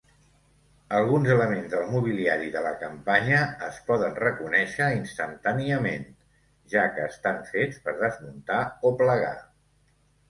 Alguns elements del mobiliari de la campanya es poden reconèixer instantàniament, ja que estan fets per desmuntar o plegar.